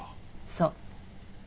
そう。